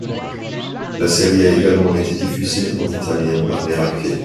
La série a également été diffusée en italien par Merak Film.